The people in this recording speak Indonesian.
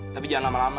tapi jangan lama lama